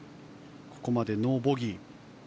ここまでノーボギー。